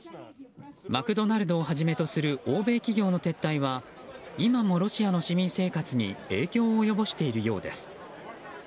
マクドナルドをはじめとする欧米企業の撤退は今もロシアの市民生活に影響を及ぼしているようです。